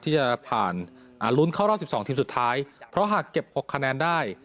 ที่จะผ่านลุ้นเข้ารอบ๑๒ทีมสุดท้ายเพราะหากเก็บ๖คะแนนได้